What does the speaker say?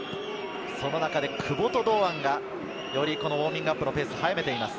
その中で久保と堂安がよりウオーミングアップのペースを早めています。